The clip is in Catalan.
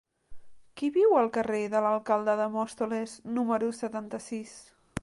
Qui viu al carrer de l'Alcalde de Móstoles número setanta-sis?